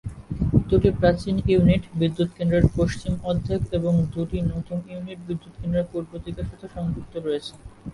দুটি প্রাচীন ইউনিট বিদ্যুৎ কেন্দ্রের পশ্চিম অর্ধেক এবং দুটি নতুন ইউনিট বিদ্যুৎ কেন্দ্রের পূর্ব দিকের সাথে সংযুক্ত রয়েছে।